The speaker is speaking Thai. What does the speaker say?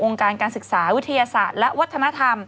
การการศึกษาวิทยาศาสตร์และวัฒนธรรม